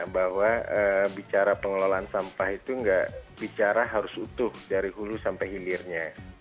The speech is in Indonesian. bahwa bicara pengelolaan sampah itu tidak bicara harus utuh dari hulu sampai hilirnya